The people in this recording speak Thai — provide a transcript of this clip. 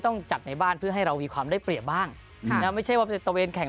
ต้องจัดในบ้านเพื่อให้เรามีความได้เปรียบบ้างไม่ใช่ว่าจะตะเวนแข่ง